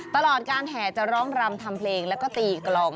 ตลอดการแห่จะร้องรำทำเพลงแล้วก็ตีกลอง